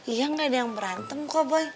iya gak ada yang berantem kok boy